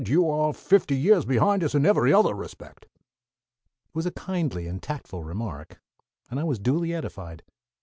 you are fifty years behind us in every other respect!_" It was a kindly and tactful remark, and I was duly edified.